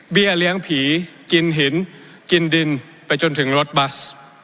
เลี้ยงผีกินหินกินดินไปจนถึงรถบัส